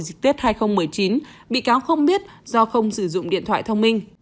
dịp tết hai nghìn một mươi chín bị cáo không biết do không sử dụng điện thoại thông minh